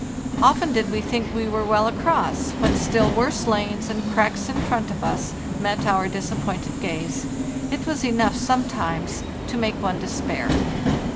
Often did we think we were well across, when still worse lanes and cracks in front of us met our disappointed gaze. It was enough sometimes to make one despair.